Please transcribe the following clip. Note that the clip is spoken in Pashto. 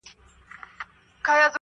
• مشر زوى چي يې په عمر زر كلن وو -